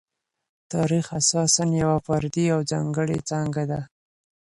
تاریخ اساساً یوه فردي او ځانګړې څانګه ده.